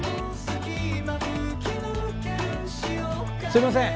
すいません！